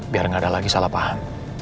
biar nggak ada lagi salah paham